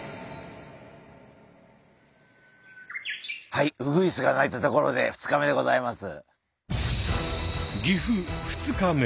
はいウグイスが鳴いたところで２日目でございます。